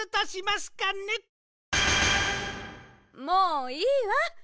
もういいわ！